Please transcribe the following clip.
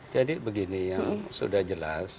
jadi begini yang sudah jelas